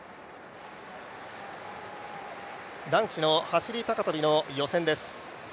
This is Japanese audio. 男子の走高跳の予選です。